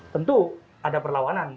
tentu ada perlawanan